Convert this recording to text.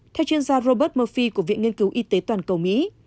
theo chuyên gia robert murfi của viện nghiên cứu y tế toàn cầu mỹ